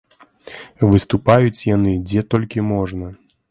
Выступаюць яны дзе толькі можна!